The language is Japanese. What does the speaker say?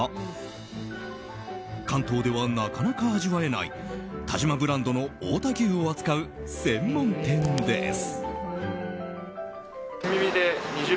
関東では、なかなか味わえない但馬ブランドの太田牛を扱う専門店です。